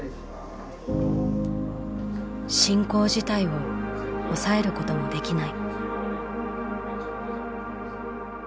「進行自体を抑えることもできない」。